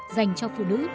dành cho phụ nữ